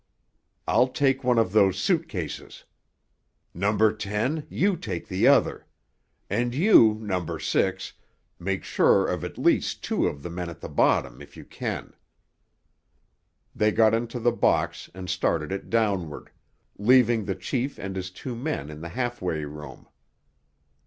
I'll take one of those suit cases. Number Ten, you take the other. And you, Number Six, make sure of at least two of the men at the bottom, if you can." They got into the box and started it downward, leaving the chief and his two men in the halfway room.